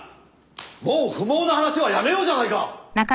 もう不毛な話はやめようじゃないか！